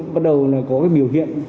bắt đầu là có cái biểu hiện